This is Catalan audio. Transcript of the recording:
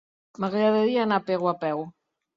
M'agradaria anar a Pego a peu.